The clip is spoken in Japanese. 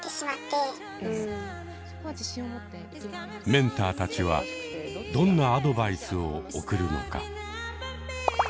メンターたちはどんなアドバイスを贈るのか？